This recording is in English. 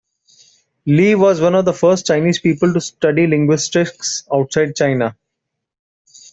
Li was one of the first Chinese people to study linguistics outside China.